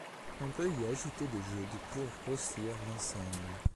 On peut y ajouter des jeux de pour grossir l'ensemble.